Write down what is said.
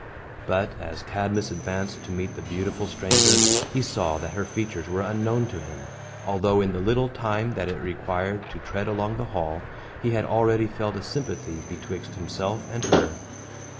But, as Cadmus advanced to meet the beautiful stranger, he saw that her features were unknown to him, although, in the little time that it required to tread along the hall, he had already felt a sympathy betwixt himself and her.